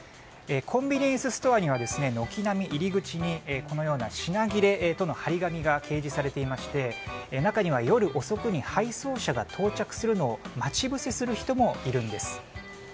コンビニエンスストアには軒並み、入り口に品切れとの貼り紙が掲示されていまして中には夜遅くに配送車が到着するのを待ち伏せする人もいるんです。